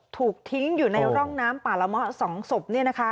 ถูกทิ้งอยู่ในร่องน้ำป่าละเมาะ๒ศพ